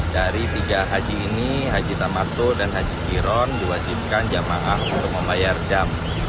dari tiga haji ini haji tamatu dan haji kiron diwajibkan jamaah untuk membayar jam